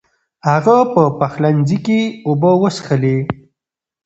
هغه په پخلنځي کې اوبه وڅښلې.